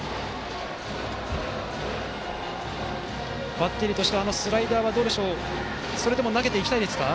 バッテリーとしてはスライダーはそれでも投げていきたいですか？